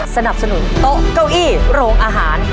สนับสนุนโต๊ะเก้าอี้โรงอาหาร